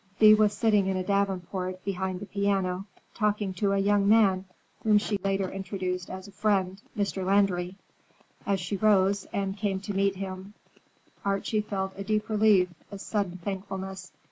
Thea was sitting in a davenport behind the piano, talking to a young man whom she later introduced as her friend Mr. Landry. As she rose, and came to meet him, Archie felt a deep relief, a sudden thankfulness.